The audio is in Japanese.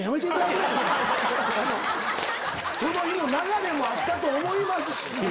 その日の流れもあったと思いますし。